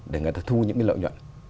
để người ta thu những cái lợi nhuận